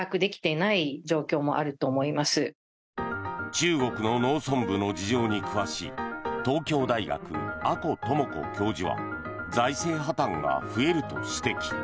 中国の農村部の事情に詳しい東京大学、阿古智子教授は財政破たんが増えると指摘。